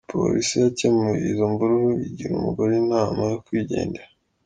Polisi yakemuye izo mvururu, igira umugore inama yo kwigendera.